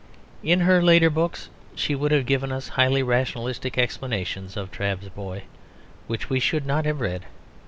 In her later books she would have given us highly rationalistic explanations of Trabb's boy; which we should not have read.